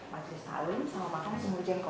majelis ta'lim sama makanan seumur jengkol